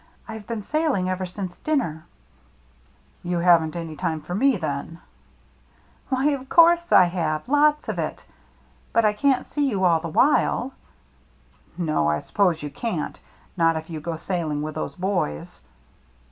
IVc been sailing ever since dinner." " You haven't any time for me, then ?" AT THE HOUSE ON STILTS 73 *' Why, of course I have, — lots of it. But I can't sec you all the while." ^* No, I suppose you can't — not if you go sailing with those boys."